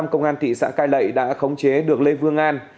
công an thị xã cai lệ đã khống chế được lê vương an